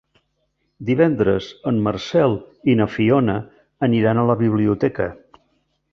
Divendres en Marcel i na Fiona aniran a la biblioteca.